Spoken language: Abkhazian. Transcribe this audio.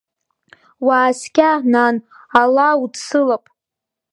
Уааскьа, нан, ала удсылап!